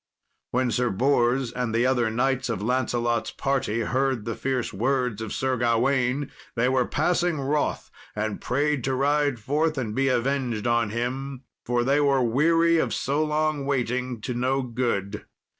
When Sir Bors and the other knights of Lancelot's party heard the fierce words of Sir Gawain, they were passing wroth, and prayed to ride forth and be avenged on him, for they were weary of so long waiting to no good.